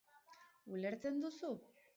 Ulertzen duzu?